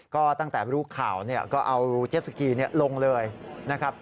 ก็ตั้งแต่รู้ข่าวเนี่ยก็เอาเจ็ดสกีลงเลยนะครับ